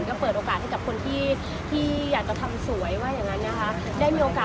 ก็เปิดโอกาสให้คนที่อยากจะทำสวย